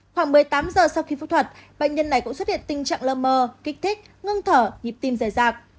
khoảng một mươi tám giờ sau khi phẫu thuật bệnh nhân này cũng xuất hiện tình trạng lơ mơ kích thích ngưng thở nhịp tim rời rạc